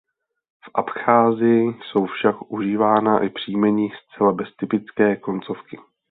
V Abcházii jsou však užívána i příjmení zcela bez typické koncovky.